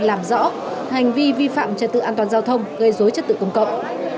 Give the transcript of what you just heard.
làm rõ hành vi vi phạm trật tự an toàn giao thông gây dối trật tự công cộng